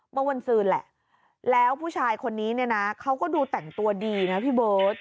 เมื่อวันซืนแหละแล้วผู้ชายคนนี้เนี่ยนะเขาก็ดูแต่งตัวดีนะพี่เบิร์ต